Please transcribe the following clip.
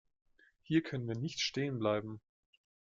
Hier können wir nicht stehen bleiben.